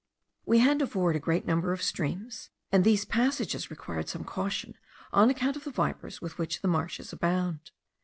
We had to ford a great number of streams; and these passages require some caution on account of the vipers with which the marshes abound.